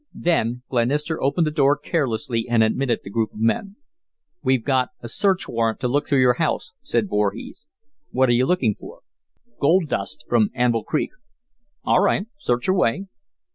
Then Glenister opened the door carelessly and admitted the group of men. "We've got a search warrant to look through your house," said Voorhees. "What are you looking for?" "Gold dust from Anvil Creek." "All right search away."